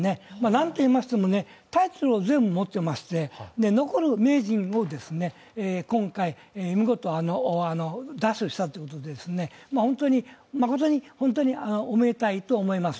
なんといいましても、タイトル全部持ってまして残る名人を今回、見事奪取したということで本当にまことにおめでたいと思います。